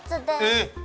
えっ？